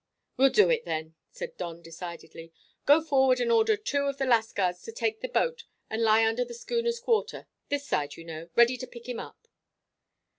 "Well do it, then," said Don decidedly. "Go forward and order two of the lascars to take the boat and lie under the schooner's quarter this side, you know ready to pick him up."